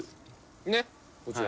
ねっこちら。